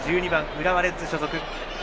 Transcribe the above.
浦和レッズ所属。